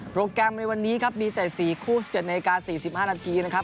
แกรมในวันนี้ครับมีแต่๔คู่๑๗นาที๔๕นาทีนะครับ